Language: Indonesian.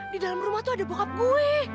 di dalam rumah tuh ada bokap gue